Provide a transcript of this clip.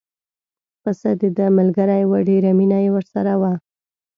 پسه دده ملګری و ډېره مینه یې ورسره وه.